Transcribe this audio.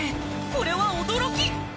これは驚き！